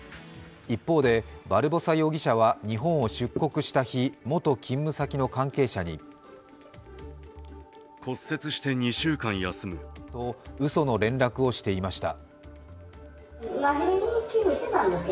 一方でバルボサ容疑者は日本を出国した日、元勤務先の関係者にと、うその連絡をしていました。